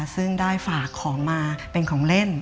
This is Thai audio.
ซึ่งได้ฝากของมาเป็นของเล่น